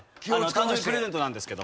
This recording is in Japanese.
誕生日プレゼントなんですけど。